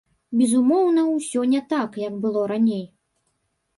Безумоўна, усё не так, як было раней.